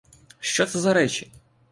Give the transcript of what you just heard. Що це за речі?